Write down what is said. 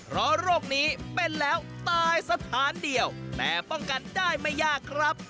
เพราะโรคนี้เป็นแล้วตายสถานเดียวแต่ป้องกันได้ไม่ยากครับ